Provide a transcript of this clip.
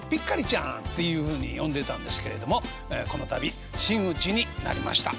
ちゃんっていうふうに呼んでたんですけれどもこの度真打ちになりました。